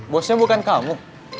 bosnya bukan kamu